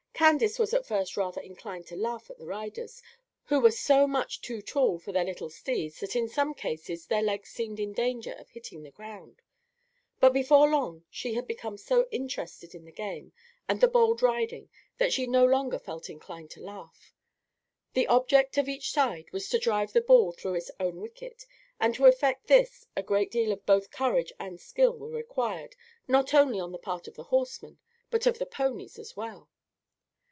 Candace was at first rather inclined to laugh at the riders, who were so much too tall for their little steeds that in some cases their legs seemed in danger of hitting the ground; but before long she had become so interested in the game and the bold riding that she no longer felt inclined to laugh. The object of each side was to drive the ball through its own wicket; and to effect this a great deal of both courage and skill were required, not only on the part of the horsemen, but of the ponies as well.